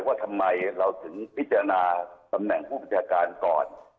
ว่าทำไมเราถึงพิจารณาตำแหน่งผู้บัญชาการก่อน